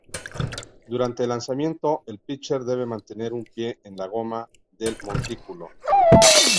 Durante el lanzamiento, el pitcher debe mantener un pie en la goma del montículo.